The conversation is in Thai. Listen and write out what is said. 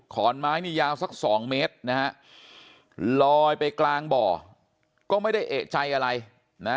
ขอนไม้นี่ยาวสักสองเมตรนะฮะลอยไปกลางบ่อก็ไม่ได้เอกใจอะไรนะ